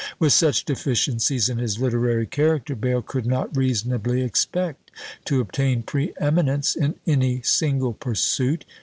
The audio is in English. With such deficiencies in his literary character, Bayle could not reasonably expect to obtain pre eminence in any single pursuit.